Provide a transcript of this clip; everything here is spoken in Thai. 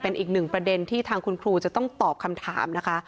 เป็นอีกหนึ่งประเด็นที่ทางคุณครูจะต้องตอบคำถามนะคะ